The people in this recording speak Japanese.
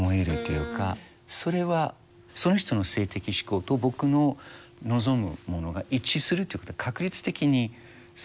それはその人の性的指向と僕の望むものが一致するっていうことは確率的に少ないんですよね。